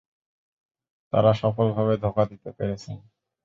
তারা সফলভাবে ধোঁকা দিতে পেরেছে।